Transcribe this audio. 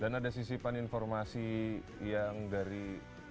dan ada sisipan informasi yang dari pertama juga